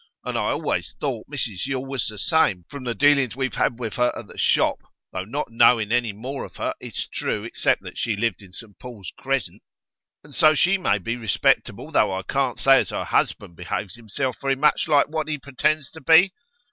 And I always thought Mrs Yule was the same, from the dealings we've had with her at the shop, though not knowing any more of her, it's true, except that she lived in St Paul's Crezzent. And so she may be respectable, though I can't say as her husband behaves himself very much like what he pretends to be.